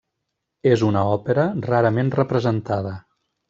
És una òpera rarament representada.